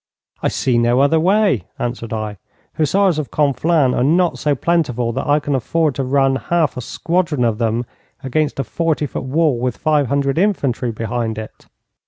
'I see no other way,' answered I. 'Hussars of Conflans are not so plentiful that I can afford to run half a squadron of them against a forty foot wall with five hundred infantry behind it.'